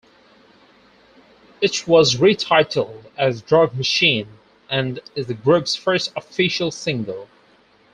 It was retitled as "Drug Machine" and is the group's first official single.